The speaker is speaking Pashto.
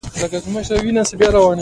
سر یې وځړېد.